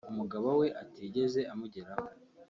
umugabo we atigeze amugeraho